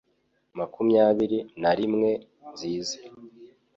Makumyabiri na rimwe nziza